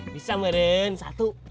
bisa maren satu